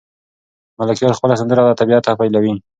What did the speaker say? ملکیار خپله سندره له طبیعته پیلوي.